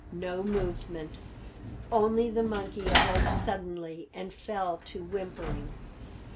No movement. Only the monkey awoke suddenly and fell to whimpering.